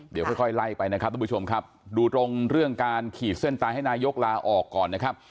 เดี๋ยวค่อยไล่ไปนะครับทุกผู้ชมครับดูตรงเรื่องการขีดเส้นตายให้นายกลาออกก่อนนะครับ